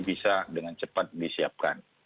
bisa dengan cepat disiapkan